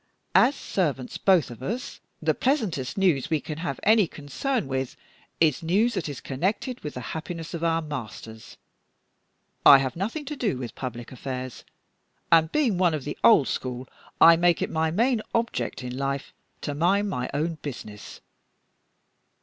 As servants, both of us, the pleasantest news we can have any concern with is news that is connected with the happiness of our masters. I have nothing to do with public affairs; and, being one of the old school, I make it my main object in life to mind my own business.